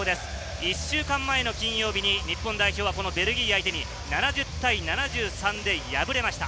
１週間前の金曜日に日本代表はこのベルギー相手に７０対７３で敗れました。